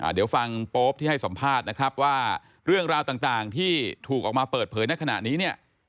เดี๋ยวฟังโป๊ปที่ให้สัมภาษณ์นะครับว่าเรื่องราวต่างที่ถูกออกมาเปิดเผยในขณะนี้เนี่ย